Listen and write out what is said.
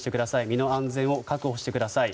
身の安全を確保してください。